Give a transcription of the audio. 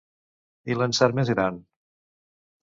I l’encert més gran?